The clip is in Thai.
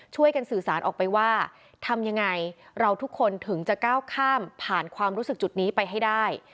ช่วยกันสื่อสารออกไปว่าทำยังไงเราทุกคนถึงจะก้าวข้ามผ่านความรู้สึกจุดนี้ไปให้ได้